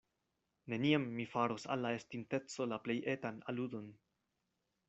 Neniam mi faros al la estinteco la plej etan aludon.